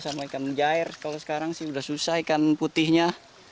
sama ikan jair kalau sekarang sih sudah susah ikan putihnya